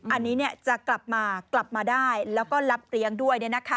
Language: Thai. อันนี้จะกลับมากลับมาได้แล้วก็รับเลี้ยงด้วย